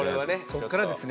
そっからですね。